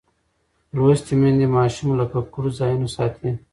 لوستې میندې ماشوم له ککړو ځایونو ساتي.